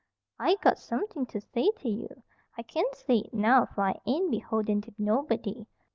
"I got suthin' to say to you. I kin say it now, for I ain't beholden ter nobody.